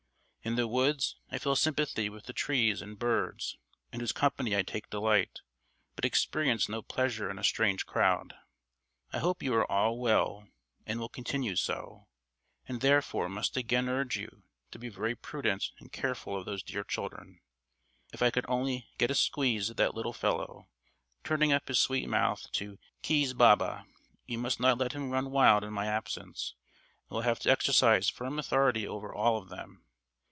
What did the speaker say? In the woods, I feel sympathy with the trees and birds, in whose company I take delight, but experience no pleasure in a strange crowd. I hope you are all well and will continue so, and, therefore, must again urge you to be very prudent and careful of those dear children. If I could only get a squeeze at that little fellow, turning up his sweet mouth to 'keese baba!' You must not let him run wild in my absence, and will have to exercise firm authority over all of them.